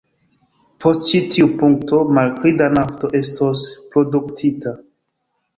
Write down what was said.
Post ĉi tiu punkto, malpli da nafto estos produktita.